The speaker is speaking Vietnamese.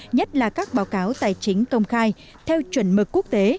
nhất là các báo cáo tài chính công khai theo chuẩn mực quốc tế